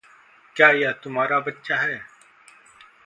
क्या यह तुम्हारा बच्चा है?